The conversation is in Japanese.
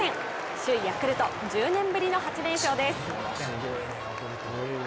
首位・ヤクルト１０年ぶりの８連勝です。